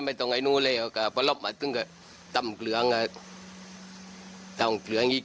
ไม่ต้องไอนูเลยต่ำเกลืองอย่างงี้